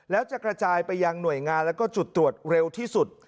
แล้วจะกระจายไปยังหน่วยงานแล้วก็จุดตรวจเร็วที่สุด